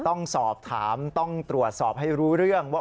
ต้องสอบถามต้องตรวจสอบให้รู้เรื่องว่า